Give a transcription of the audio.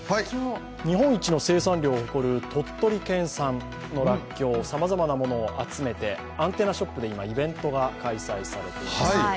日本一の生産量を誇る鳥取県産のらっきょうさまざまなものを集めてアンテナショップで今、イベントが開催されています。